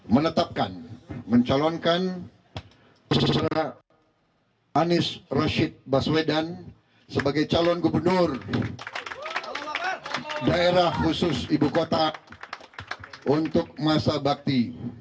menetapkan mencalonkan saudara anies rashid baswedan sebagai calon gubernur daerah khusus ibu kota untuk masa bakti dua ribu tujuh belas dua ribu dua puluh dua